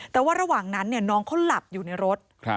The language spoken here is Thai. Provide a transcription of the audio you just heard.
แต่ว่าระหว่างนั้นน้องเขาหลับอยู่ในรถ